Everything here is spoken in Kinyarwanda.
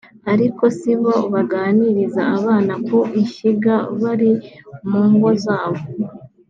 ariko sibo baganiriza abana ku ishyiga bari mu ngo zabo